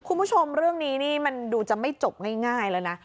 คุณผู้ชมเรื่องนี้นี่มันดูจะไม่จบง่ายแล้วนะ